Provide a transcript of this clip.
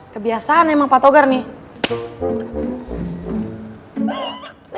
kebiasaan emang pak togar nih